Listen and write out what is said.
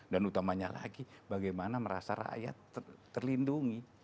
dan utamanya lagi bagaimana merasa rakyat terlindungi